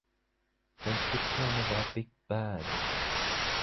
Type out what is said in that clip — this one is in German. Sein Spitzname war Big Bad.